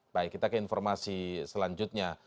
baik kita ke informasi selanjutnya